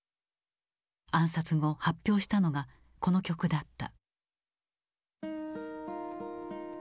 暗殺後発表したのがこの曲だった。